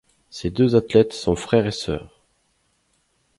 Ces deux athlètes sont frère et sœur.